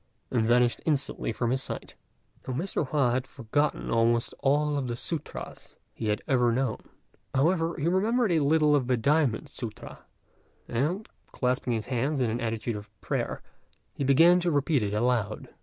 and vanished instantly from his sight. Now Mr. Hua had forgotten almost all the sûtras he had ever known; however, he remembered a little of the diamond sûtra, and, clasping his hands in an attitude of prayer, he began to repeat it aloud.